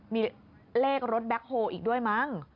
มีเลขรถแบ็คโฮอีกด้วยมั้ง